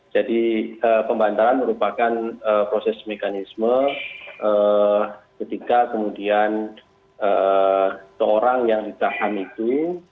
jadi pembantaran merupakan proses mekanisme ketika kemudian seorang yang ditahan itu